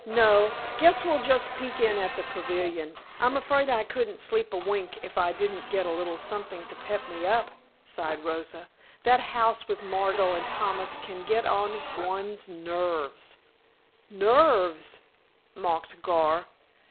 No guess we'll just peek in at the pavilion. I'm afraid I couldn't sleep a wink if I didn't get a little something to pep me up," sighed Rosa. "That house with Margot and Thomas can get on one's nerves " "Nerves!" mocked Gar.